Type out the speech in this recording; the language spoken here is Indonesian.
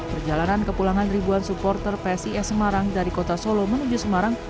perjalanan kepulangan ribuan supporter psis semarang dari kota solo menuju semarang